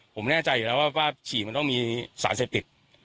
ผมแน่ใจอยู่แล้วว่าฉี่มันต้องมีสารเสพติด